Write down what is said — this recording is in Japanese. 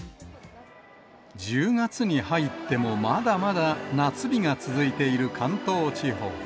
１０月に入ってもまだまだ夏日が続いている関東地方。